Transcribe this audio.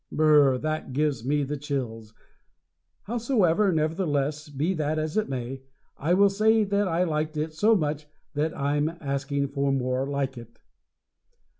Br r r that gives me the chills. Howsoever, nevertheless, be that as it may, I will say that I liked it so much that I'm asking for more like it.